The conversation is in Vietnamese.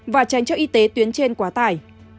và tránh cho y tế tuyến trên quá tải